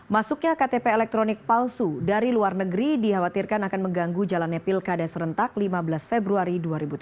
masuknya ktp elektronik palsu dari luar negeri dikhawatirkan akan mengganggu jalannya pilkada serentak lima belas februari dua ribu tujuh belas